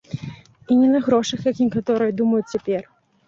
І не на грошах, як некаторыя думаюць цяпер.